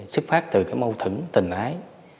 sức phát từ cái mâu thửng tình ái